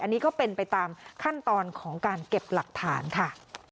อันนี้ก็เป็นไปตามขั้นตอนของการเก็บหลักฐานค่ะ